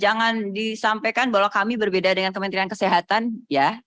jangan disampaikan bahwa kami berbeda dengan kementerian kesehatan ya